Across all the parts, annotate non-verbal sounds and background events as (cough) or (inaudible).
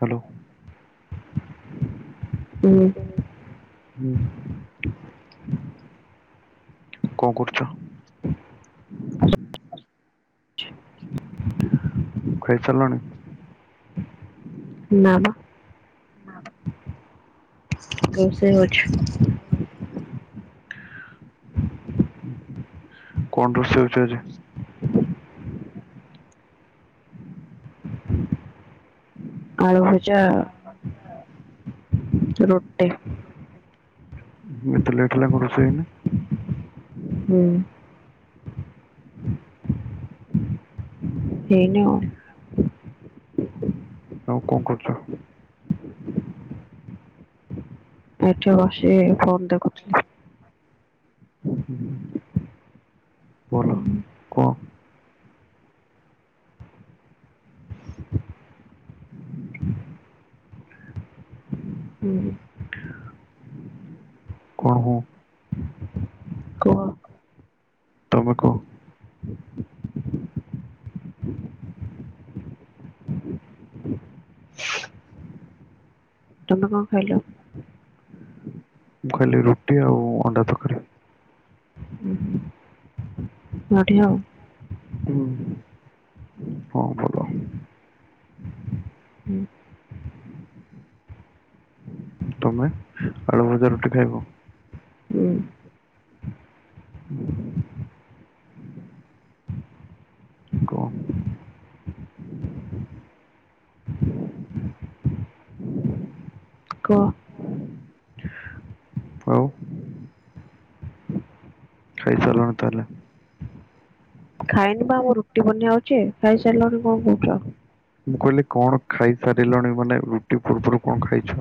Hello ହୁଁ ହୁଁ କଣ କରୁଚ? ଖାଇସାରିଲଣି। ନା ବା ରୋଷେଇ ହଉଚି। କଣ ରୋଷେଇ ହଉଚି ଆଜି? ଆଳୁଭୁଜା ରୁଟି ଏତେ ଲେଟ୍ ହେଲା କଣ-ରୋଷେଇ ହେଇନି? ହୁଁ ହେଇନି ଆଉ। ଆଉ କଣ କରୁଚ? ଏଠି ବସି ଫୋନ୍ ଦେଖୁ ଥିଲି। ଭଲ ହୁଁ କଅଁ? ହୁଁ କଣ ହୁଁ? କୁହ ତମେ କ ତୁମେ କଅଁ ଖାଇଲ? ମୁଁ ଖାଲି ରୁଟି ଆଉ ଅଣ୍ଡା ତକାରି। ନୋଠି ହଉ। ହଁ ଭଲ ହୁଁ ତମେ ଆଳୁ ଭଜା ରୁଟି ଖାଇବ? ହୁଁ କଅଁ କୁହ ଆଉ। ଖାଇ ସାଇଲଣି ତାହଲେ। ଖାଇନି ବା ମୋ ରୁଟି ବନ୍ୟା ହଉଚି। ଖାଇସାରିଲଣିି କଣ କହୁଚ? ମୁଁ କହିଲି କଣ ଖାଇ ସାରିଲଣି ମାନେ ରୁଟି ପୂର୍ବରୁ କଣ ଖାଇଛ?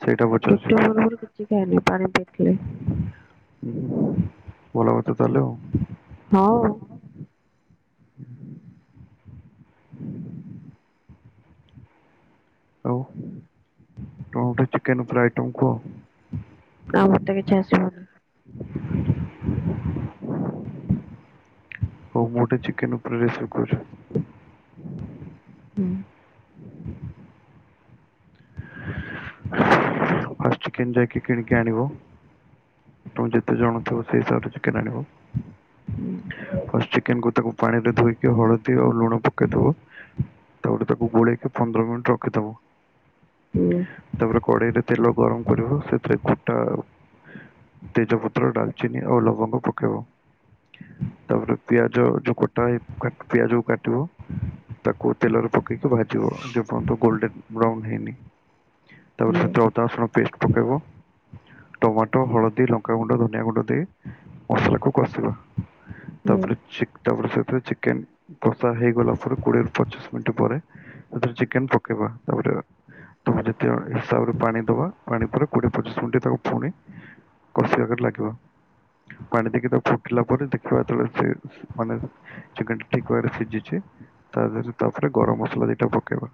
ସେଇଟା ପଚାରୁଛି ରୁଟି ପୂର୍ବରୁ କିଛି ଖାଇନି ପାଣି ପିଇଥିଲି ହୁଁ। ଭଲ କଥା ତାହେଲେ ଆଉ ହଉ ଆଉ ତମେ ଗୋଟେ ଚିକେନ୍ ଉପରେ ଆଇଟମ୍ କୁହ? ନାଁ ମୋତେ କିଛି ଆସିବନି। ହଉ ଗୋଟେ ଚିକେନ୍ ଉପରେ ରେସିପି କହୁଛି। ହୁଁ। ଚିକେନ୍ ଟା କିଣିକି ଆଣିବ। ତମ ଯେତେ ଜଣ ଥିବ ସେଇ ହିସାବରେ ଚିକେନ୍ ଆଣିବ ଫାର୍ଷ୍ଟ ଚିକେନ୍ କୁ ତାକୁ ପାଣିରେ ଧୋଇକି ହଳଦୀ ଆଉ ଲୁଣ ପକେଇ ଦବ ତାପରେ ତାକୁ ଗୋଲେଇକି ପନ୍ଦର ମିନିଟ୍ ରଖି ଦବ। ହୁଁ ତାପରେରେ କଡେଇରେ ତେଲ ଗରମ କରିବ। ସେଥିରେ ଗୋଟା ତେଜପତ୍ର ଡାଲଚିନି ଆଉ ଲବଙ୍ଗ ପକେଇବ। ତାପରେ ପିଆଜ ଯୋଉ କଟା ହୋଇକା-ପିଆଜକୁ କାଟିବ ତାକୁ ତେଲରେ ପକେଇକି ଭାଜିବ ଯେର୍ଯ୍ୟନ୍ତ ଗୋଲଡେନ୍ ବ୍ରାଉନ ହେଇନି। ତାପରେ ହୁଁ ସେଥିରେ ଅଦା ରସୁଣ ପେଷ୍ଟ ପକେଇବ। ଟମାଟୋ, ହଳଦୀ, ଲଙ୍କାଗୁଣ୍ଡ, ଧନିଆ ଗୁଣ୍ଡ ଦେଇ ମସଲାକୁ କଷିବା। ହୁଁ ତାପରେ ଚିକ୍ ତାପରେ ସେଥିରେ ଚିକେନ୍ କଷା ହେଇଗଲା ପରେ କୋଡିଏ ରୁ ପଚିଶ ମିନିଟ ପରେ ତା ଥିରେ ଚିକେନ୍ ପକେଇବା ତାପରେ ତମେ ଯେତେ ହିସାବରେ ପାଣି ଦବା। ପାଣି ପରେ କୋଡିଏ ପଚିଶ ମିନିଟ୍ ତାକୁ ପୁଣି କଷିବା-ଆକାରରେ ଲାଗିବା। ପାଣି ଦେଇକି ତାକୁ ଫୁଟିଲା ପରେ ଦେଖିବା ଯେତେବେଳେ ସେ-ମାନେ ଚିକେନ୍ ଟା ଠିକ ଭାବରେ ସିଝିଛି ତାଧିରେ ତାପରେ ଗରମ ମସଲା ଦିଟା ପକେଇବା।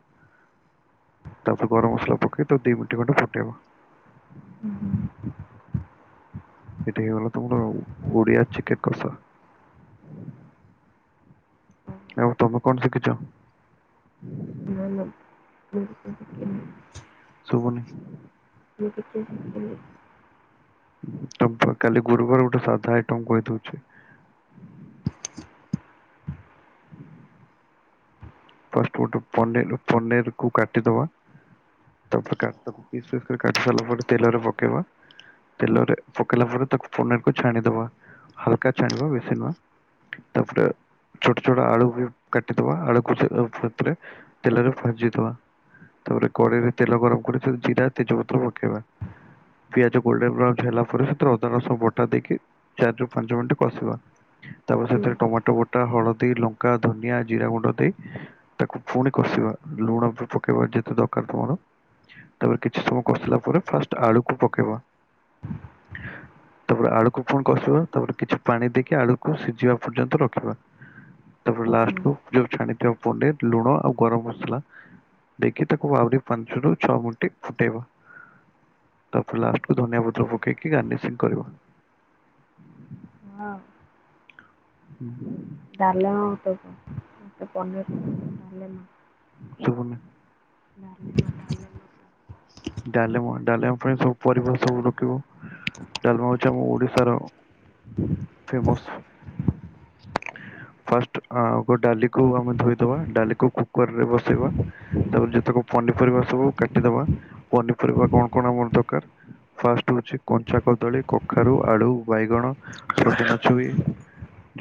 ତାପରେ ଗରମ ମସଲା ପକେଇକି ତାକୁ ଦି ମନଟି ଖଣ୍ଡେ ଫୁଟେଇବା। ଏଠି ହେଇ ଗଲା ତୁମର ଓଡ଼ିଆ ଚିକେନ୍ କସା। ଓ ତମେ କଣ ଶିଖିଚ? (unintelligible) (unintelligible) ଶୁବୁନି। ମୁଁ କିଛି ଶିକିନି। ଆମ୍ ପା କାଲି ଗୁରୁବାର ଗୋଟେ ସାଧା ଆଇଟମ୍ କହି ଦଉଛି। ଫାଷ୍ଟ ଗୋଟେ ପନିର ପନିରକୁ କାଟିଦବା‌ ତାପରେ କା ତାକୁ ପିସ୍ ପିସ୍ କରି କାଟି ସାଇଲାଲା ପରେ ତେଲରେ ପକେଇବା। ତେଲରେ ପକେଇଲା ପରେ ତାକୁ ପନିରକୁ ଛାଣିଦବା। ହାଲକା ଛାଣିବା ବେଶି ନୁହେ। ତାପରେ ଛୋଟ ଛୋଟ ଆଳୁ ବି କାଟିଦବା ଆଳକୁ ସେ ତାକୁ ଫେର ଥରେ ତେଲରେ ଭାଜି ଦବା। ତାପରେ କରେଇରେ ତେଲ ଗରମ କରି ସେଥି ଜିରା ତେଜପତ୍ର ପକେଇବା। ପିଆଜ ଗୋଲଡେନ୍ ବ୍ରାଉଞ୍ଚ୍ ହେଲା ପରେ ସେଥିରେ ଅଦା ରସଣ ବଟା ଦେଇକି ଚାରି ରରୁ ପାଞ୍ଚ ତିର୍କି କଷିବା। ତାପରେ ହୁଁ ସେଥିରେ ଟମାଟୋ ବ ଟା ହଳଦୀ ଲଙ୍କା ଧନିଆ ଜିରା ଗୁଣ୍ଡ ଦେଇ ତାକୁ ଫୁଣି କଷିବା ଲୁଣ ବି ପକେଇବା ଯେତେ ଦରକାର ତମର। ତାପରେ କିଛି ସମୟ କଷିଲା ପରେ ଫାଷ୍ଟ ଆଳୁକୁ ପକେଇବା ତାପରେ ଆଳୁକୁ ପୁଣି କଷିବା ତାପରେ କିଛି ପାଣି ଦେଇକି ଆଳୁକୁ ସିଝିବା ପର୍ଯ୍ୟନ୍ତ ରଖିବା। ତାପରେ ହୁଁ ଲାଷ୍ଟକୁ ପ୍ଲିଅ ଛାଣି ତେ ଓପନ୍ ରେ ଲୁଣ ଆଉ ଗରମ ମସଲା ଦେଇକି ତାକୁ ଆହୁରି ପାଞ୍ଚରୁ ଛଅ ମିଣ୍ଟି ଫୁଟେଇବା। ତାପରେ ଲାଷ୍ଟକୁ ଧନିଆ ପତ୍ର ପକେଇକି ଗାର୍ନିସିଂ କରିବା। ହଁ। ହୁଁ। ଡାଲମା (unintelligible) ତ ପନିଅରୀ ତ ଡାଲେମା। ମୋନା ଡାଲେମା ଡାଲେମା (inaudible) ଡାଲେମା ଡାଲେମା ପାଇଁ ସବୁ ପରିବା ସବୁ ରକିବ। ଡାଲମା ହୋଉଚି ଆମ ଓଡ଼ିଶାର ଫେମସ୍ ଫାଷ୍ଟ ଆଗ ଡାଲିକୁ ଆମେ ଧୋଇଦବା। ଡାଲିକୁ କୁକରରେ ବସେଇବା ତାପରେ ଯେତେକ ପନିପରିବା ସବୁ କାଟିଦବା ପନିପରିବା କଣ କଣ ଆମର ଦକାର ଫାଷ୍ଟ ହୋଉଚି କଞ୍ଚା କଦଳୀ କଖାରୁ ଆଳୁ ବାଇଗଣ ସଜନା ଛୁଇଁ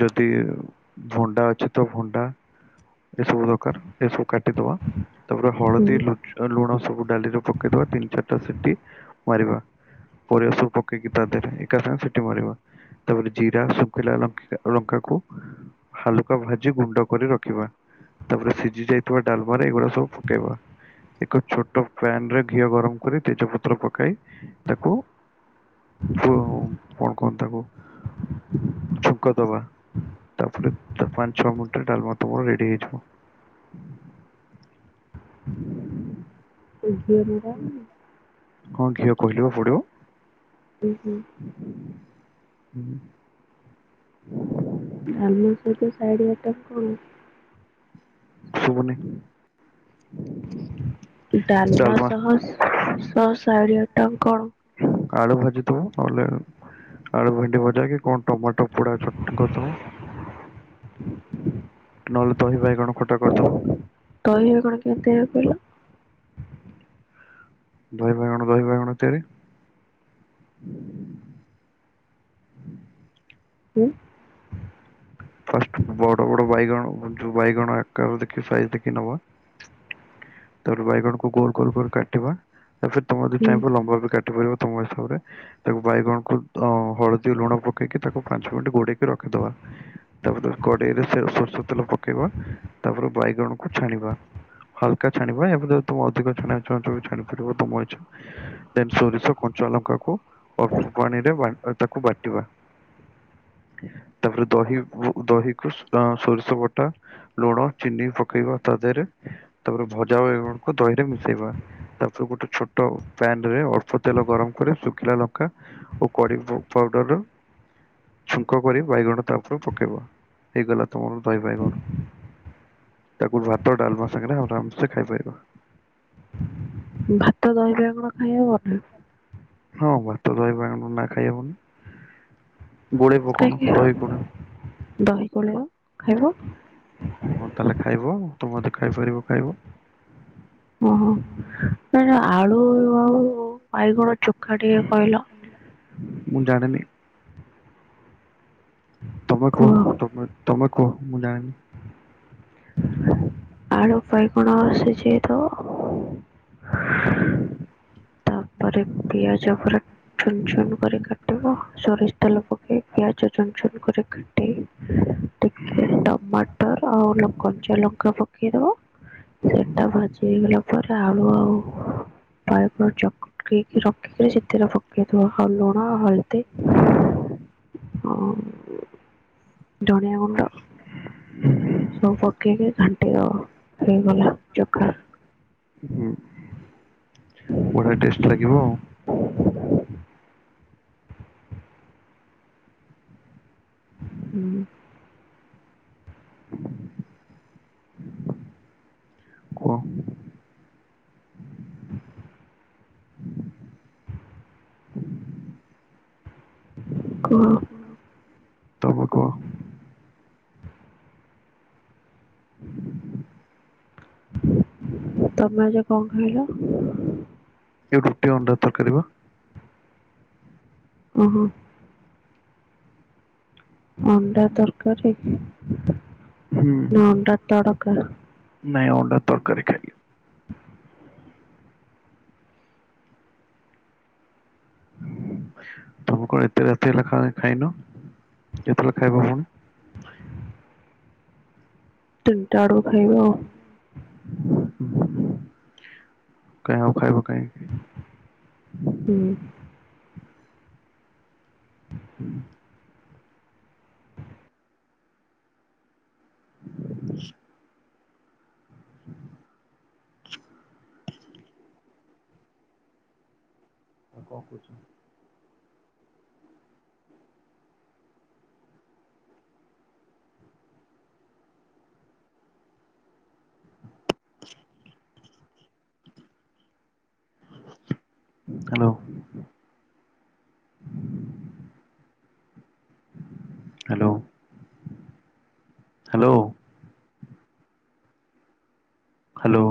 ଯ ତି ଭଣ୍ଡା ଅଛି ତ ଭଣ୍ଡା ଏସବୁ ଦକାର ଏସବୁ କାଟିଦବା। ତାପରେ ହଳଦୀ ହୁଁ ଲୁ ଲୁଣ ସବୁ ଡାଲିରେ ପକେଇଦବା ତିନି ଚାରିଟା ସିଟି ମାରିବା। ପରିବା ସବୁ ପକେଇକି ତା ଦେରେ ଏକା ସାଙ୍ଗେ ସିଟି ମାରିବା ତାପରେ ଜିରା ଶୁକିଲା ଲ ଲଙ୍କା କୁ ହାଲୁକା ଭାଜି ଗୁଣ୍ଡ କରି ରଖିବା। ତାପରେ ସିଜି ଯାଇଥିବା ଡାଲମାରେ ଏଗୁଡା ସବୁ ପକେଇବା। ଏକ ଛୋଟ ପ୍ୟାନରେ ଘିଅ ଗରମ କରି ତେଜପତ୍ର ପକାଇ ତାକୁ କୁ କଣ କହନ୍ତି ତାକୁ ଛୁଙ୍କ ଦବା। ତାପରେ ତ ପାଞ୍ଚ ଛଅ ମିଣ୍ଟିରେ ଡାଲମା ତମର ରେଡି ହେଇଯିବ। ତୋ ଝିଅ ଯୋଉ ଜାଣୁନି ହଁ ଘିଅ କହିଲି ବା ପଡ଼ିବ। ହୁଁ ହୁଁ। ହୁଁ। ଡାଲମା ସହିତ ସାଇଡ଼୍ ଆଇଟମ୍ କଣ? ଶୁବୁନେଇ ଡାଲମା ସହ ସହ ସାଇଡ଼ ଟା କଣ? ଆଳୁ ଭାଜି ଦବ ନହେଲେ ଆଳୁ ଭେଣ୍ଡି ଭଜା କି କଣ ଟମାଟୋ ପୋଡା ଚ କରିଦବ। ନହେଲେ ଦହିିବାଇ କଣ ଖଟା କରିଦବ‌ ଦହିରେ କଣ କେତେ ଆ କଇଲ। ଦହି ବାଇଗଣ ଦହି ବାଇଗଣ ତିଆରି। ଉଁ ଓ ମୁଁ ଯୋଉ ବାଇଗଣ ଆକାରୁ ଦେଖି ସାଇଜ ଦେଖି ନବା। ତାପରେ ବାଇଗଣକୁ ଗୋଲ ଗୋଲ କାଟିବା। ତାପରେ ସେ ତମେ ଆଜି ହୁଁ ଚାହିଁବ ଲମ୍ବରୁ ବି କାଟି ପାରିବ। ତମ ହିସାବରେ ତାକୁ ବାଇଗଣକୁ ଅ ହଳଦୀ ଲୁଣ ପକେଇକି ତାକୁ ପାଞ୍ଚ ମିଣ୍ଟି ଘୋଡେଇକି ରଖିଦବା। ତାପରେ ତାକୁ କଡେଇରେ ସେ ସରଷ ତେଲ ପକେଇବା ତାପରେ ବାଇଗଣକୁ ଛାଣିବା ହାଲକା ଛାଣିବା ଏବଂ ଯଦି ତମେ ଅଧିକ ଛାଣିବାକୁ ଚାହୁଁଚ ଛାଣି ପାରିବ ତମ ଇଚ୍ଛା। ଦେନ ସୋରିଷ କଞ୍ଚା ଅଲଙ୍କାକୁ ଅଳ୍ପ ପାଣିରେ ବା ଅ ତାକୁ ବାଟିବା। ତାପରେ ଦହି ଦହିକୁ ସୋରିଷ ବଟା ଲୁଣ ଚିନି ପକେଇବା ତା ଦେହରେ ତାପରେ ଭଜା ବାଇଗଣକୁ ଦହିରେ ମିଶେଇବା ତାପରେ ଗୋଟେ ଛୋଟ ପ୍ୟାନ ରେ ଅଳ୍ପ ତେଲ ଗରମ କରି ଶୁଖିଲା ଲଙ୍କା ଓ କରି ଫ ପାଉଡର ଛୁଙ୍କ କରି ବାଇଗଣ ତାପରେ ପ ହେବ ହେଇଗଲା ତମର ଦହି ବାଇଗଣ ତାକୁ ଭାତ ଡାଲମା ସାଙ୍ଗରେ ଆରାମସେ ଖାଇପାରିବା। ଭାତ ଦହି ବାଇଗଣ ଖାଇ ହବ ନା ଅ ଭାତ ଦହି ପାଣି ମନା ଖାଇହବନି। ଖାଇକି ଦହି ଗୋଳେଇବ ଖାଇବ। ହଁ ତାହେଲେ ଖାଇବ ତୁ ମତେ ଖାଇପାରିବ ଖାଇବ। ଓହୋ ନା ଆଳୁ ଆଉ ବାଇଗଣ ଚୁଖା ଟିଏ କହିଲ? ମୁଁ ଜାଣିନି। ତମେ କୁହ ତମେ ତମେ। କୁହ ମୁଁ ଜାଣିନି। ଆଳୁ ବାଇଗଣ ଆସିଛି ତ? ପରେ ପିଆଜ ପୁରା ଛୁନ ଛୁନ କରି କାଟିବ ସୋରିଷ୍ ତେଲ ପକେଇ ପିଆଜ ଚୁନ ଛୁନ କରି କାଟି। ଟିକେ ଟମାଟର ଆଉ ଲ କଞ୍ଚା ଲଙ୍କା ପକେଇଦବ। ସେଟା ଭାଜି ହେଇଗଲା ପରେ ଆଳୁ ଆଉ। ବାଇଗଣ ଚକ ଚକଟିକି ରଖିକିରି ସେଥିରେ ପକେଇଥିବ ହଲ୍‌ ଲୁଣ ହଳଦୀ ଆଉ ଧଣିଆ ଗୁଣ୍ଡ ସବୁ ପକେଇକି ଘାଣ୍ଟି ଦବ ହେଇଗଲା ଚୋଖା। ବଢିଆ ଟେଷ୍ଟ ଲାଗିବ ଆଉ। ହୁଁ। କୁହ। କୁହ। ତମେକୁହ। ତମେ ଆଜି କଣ ଖାଇଲ? ଏ ରୁଟି ଅଣ୍ଡା ତରକାରୀ ବା। ଓ ହୋ। ଅଣ୍ଡା ତରକାରୀ। ନା ଅଣ୍ଡା ତଡ଼ କା। ନାଇ ଓଣ୍ଡା ତରକାରୀ ଖାଇଲି। ତମେ କଣ ଏତେ ରାତି ହେଲା ଖାଇ ଖାଇନ, କେତେ ବେଳେ ଖାଇବ ପୁଣି। ଟେନ୍। ଟା ଆଡୁକୁ ଖାଇବା ଆଉ। କାଇଁ ଆଉ ଖାଇବା। କାଇଁ କି। ହୁଁ। ଆଉ କଂ କହୁଛ? ହାଲୋ। Hello hello. ହା ଲୋ।